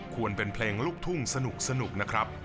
ควรเป็นเพลงลูกทุ่งสนุกนะครับ